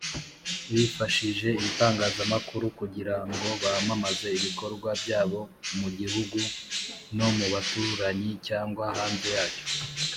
bifashijije ibitangazamakuru kugirango bamamaze ibikorwa byabo mu igihugu ,no mubaturanyi cyangwa hanze yacyo